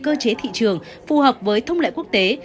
cơ chế thị trường phù hợp với thông lệ quốc tế